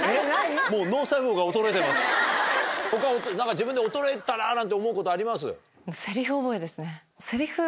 自分で衰えたななんて思うことあります？